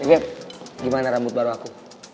ya gimana rambut baru aku